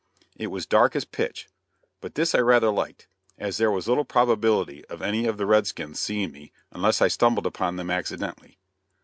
It was dark as pitch, but this I rather liked, as there was little probability of any of the red skins seeing me unless I stumbled upon them accidentally.